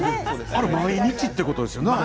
毎日ということですよね。